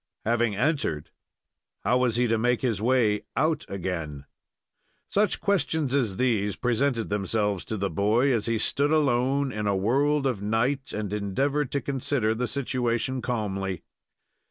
Having entered, how was he to make his way out again? Such questions as these presented themselves to the boy, as he stood alone in a world of night, and endeavored to consider the situation calmly.